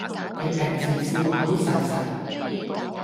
佢平時笑口噬噬